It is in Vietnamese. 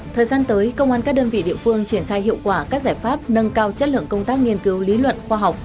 thời gian tới công an các đơn vị địa phương triển khai hiệu quả các giải pháp nâng cao chất lượng công tác nghiên cứu lý luận khoa học